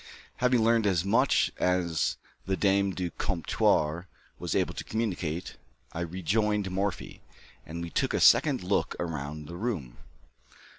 Having learned as much as the dame du comptoir was able to communicate, I rejoined Morphy, and we took a second look round the room.